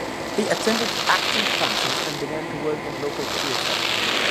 He attended acting classes and began to work in local theatre.